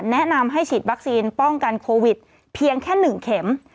แนะนำให้ฉีดวัคซีนป้องกันโควิดเพียงแค่๑เข็ม